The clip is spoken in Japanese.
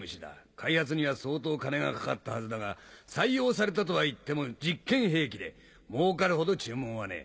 開発には相当金がかかったはずだが採用されたとはいっても実験兵器で儲かるほど注文はねえ。